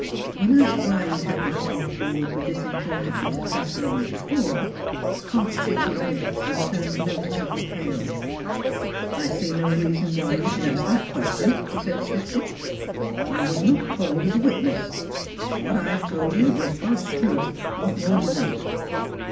When asked why he had not come forward with this important bit of testimony before, Hobbs bit his lip and turned noticeably pale. " I see no reason why you should ask that question," he said stiffly. " I was not called as a witness. ... What I have told you is God s truth; what more do you want?